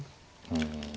うん。